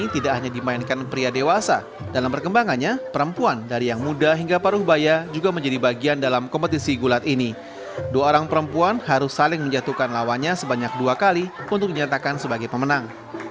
tapi bagi para peserta tidak penting kalah atau menang